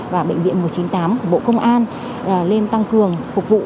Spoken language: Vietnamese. và bệnh viện một trăm chín mươi tám của bộ công an lên tăng cường phục vụ